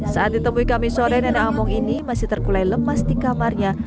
saat ditemui kami sore nenek among ini masih terkulai lemas di kamarnya